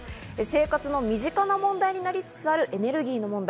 生活の身近な問題になりつつあるエネルギーの問題。